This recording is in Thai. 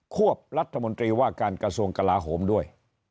วบรัฐมนตรีว่าการกระทรวงกลาโหมด้วย